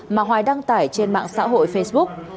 mà hoài đăng tải trên mạng xã hội facebook